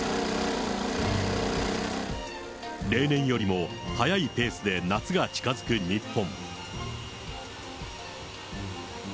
例年よりも速いペースで夏が近づく日本。